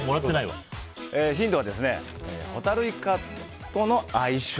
ヒントは、ホタルイカとの相性。